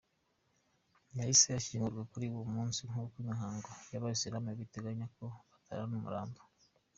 Yahise ashyingurwa kuri uwo munsi nk’uko imihango y’Abayisilamu ibiteganya ko batararana umurambo.